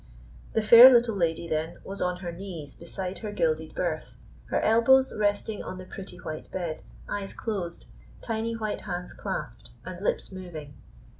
The fair little lady, then, was on her knees beside her gilded berth, her elbows resting on the pretty white bed, eyes closed, tiny white hands clasped, and lips moving.